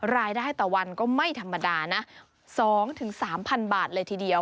รายได้ต่อวันก็ไม่ธรรมดานะ๒๓๐๐บาทเลยทีเดียว